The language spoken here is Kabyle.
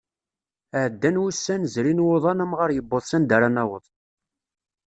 Ɛeddan wussan zrin wuḍan amɣar yewweḍ s anda ara naweḍ.